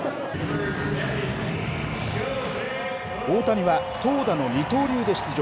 大谷は投打の二刀流で出場。